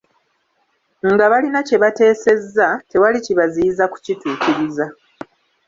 Nga balina kye bateesezza, tewali kibaziyiza kukituukiriza.